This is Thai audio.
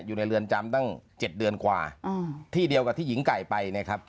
อยู่ในเรือนจำตั้ง๗เดือนกว่าที่เดียวกับที่หญิงไก่ไปนะครับ